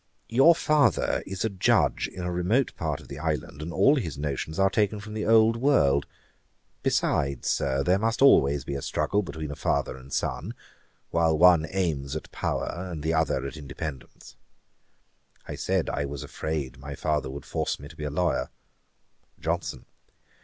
Your father is a Judge in a remote part of the island, and all his notions are taken from the old world. Besides, Sir, there must always be a struggle between a father and son, while one aims at power and the other at independence.' I said, I was afraid my father would force me to be a lawyer. JOHNSON.